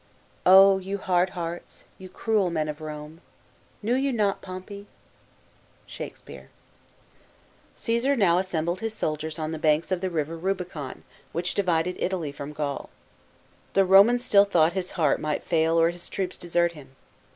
" Oh you hard hearts, you cruel men of li Knew you not Pompey ?" SHAKSPERE. C/ESAR now assembled his soldiers on the banks of the river Rubicon, which divided Italy from Gaul. The Romans still thought his heart might fail or his troops desert him.